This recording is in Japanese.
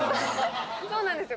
そうなんですよ。